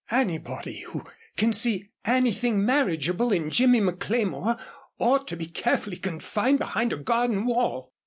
"Anybody who can see anything marriageable in Jimmy McLemore, ought to be carefully confined behind a garden wall.